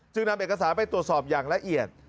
นำเอกสารไปตรวจสอบอย่างละเอียด